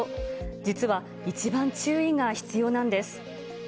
実は、一番注意が必要なんです。